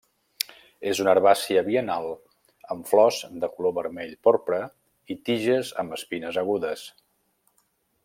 És una herbàcia biennal amb flors de color vermell porpra i tiges amb espines agudes.